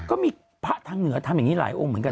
ก็มีพระทางเหนือทำอย่างนี้หลายองค์เหมือนกัน